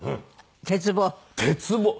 鉄棒。